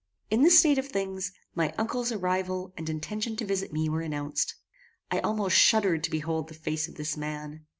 In this state of things my uncle's arrival and intention to visit me were announced. I almost shuddered to behold the face of this man.